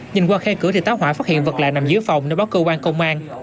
nhìn qua khe cửa thì táo hỏa phát hiện vật lạ nằm dưới phòng nên báo cơ quan công an